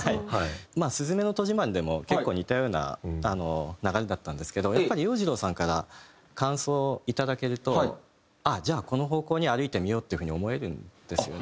まあ『すずめの戸締まり』でも結構似たような流れだったんですけどやっぱり洋次郎さんから感想をいただけるとああじゃあこの方向に歩いてみようっていう風に思えるんですよね。